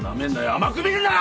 甘く見るな！